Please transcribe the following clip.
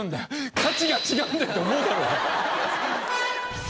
価値が違うんだよ！って思うだろうね。